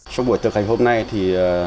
trong buổi thực hành hôm nay thì